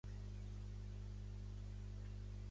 Telefona al Lucca Tejeda.